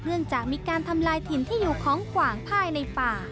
เนื่องจากมีการทำลายถิ่นที่อยู่ของขวางภายในป่า